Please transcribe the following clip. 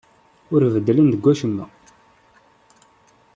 Ur beddlen deg wacemma.